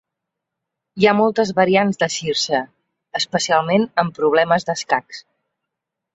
Hi ha moltes variants de Circe, especialment en problemes d'escacs.